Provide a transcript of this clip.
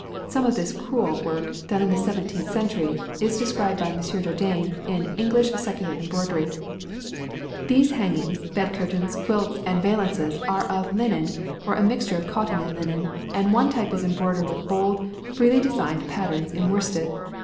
Some of this "crewel" work, done in the seventeenth century, is described by M. Jourdain in "English Secular Embroidery": "These hangings, bed curtains, quilts, and valances are of linen or a mixture of cotton and linen, and one type is embroidered with bold, freely designed patterns in worsted.